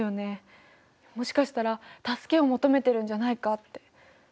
もしかしたら助けを求めてるんじゃないかって。